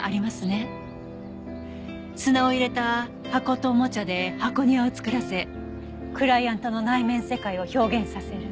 砂を入れた箱とおもちゃで箱庭を作らせクライアントの内面世界を表現させる。